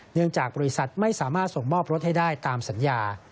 เนื่องจากบริษัทไม่สามารถส่งมอบรถให้ได้ตามสัญญา